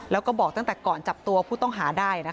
แล้วก็บอกตั้งแต่ก่อนจับตัวผู้ต้องหาได้